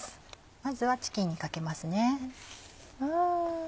まずはチキンにかけますね。